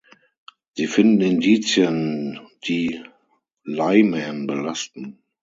Sie finden Indizien, die Lyman belasten.